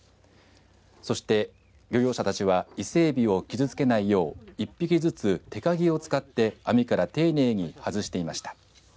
そして漁業者たちはイセエビを傷つけないよう一匹ずつ手かぎを使って網から丁寧に外していきました。